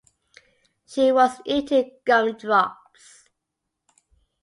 She was eating gum-drops.